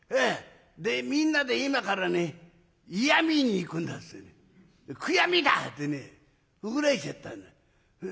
『みんなで今からね嫌み言いに行くんだ』つってね『悔やみだ』ってね怒られちゃったんだ。